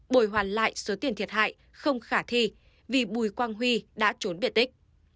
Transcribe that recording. bồi hoàn lại số tiền thiệt hại không khả thi vì bùi quang huy đã trốn biệt tích